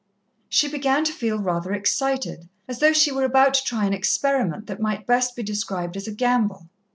She began to feel rather excited, as though she were about to try an experiment that might best be described as a gamble.